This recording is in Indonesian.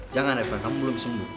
jangan eva kamu belum sembuh